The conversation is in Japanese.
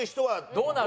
どうなる？